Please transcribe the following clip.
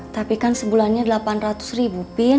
tapi kan sebulannya delapan ratus ribu pin